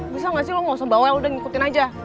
bisa gak sih lo mau sembahwal dan ngikutin aja